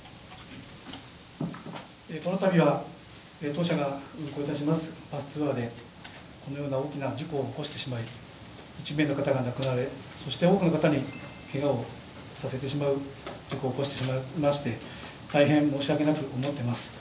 このたびは当社が運行いたしますバスツアーでこのような大きな事故を起こしてしまい１名の方が亡くなられ多くの方にけがをさせてしまう事故を起こしてしまいまして、大変申し訳なく思っています。